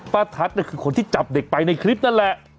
ทัศน์คือคนที่จับเด็กไปในคลิปนั่นแหละ